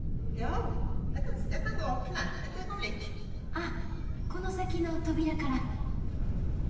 あっこの先の扉から。